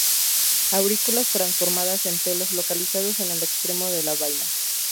Aurículas transformadas en pelos localizados en el extremo de la vaina.